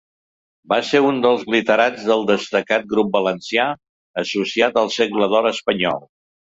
Va ser un dels literats del destacat grup valencià associat al Segle d'or espanyol.